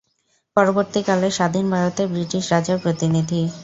পরবর্তী কালে স্বাধীন ভারতের ব্রিটিশ রাজার প্রতিনিধি।